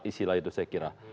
kriminalisasi lah itu saya kira